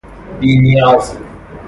بی نیاز